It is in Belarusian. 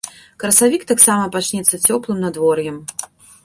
Красавік таксама пачнецца цёплым надвор'ем.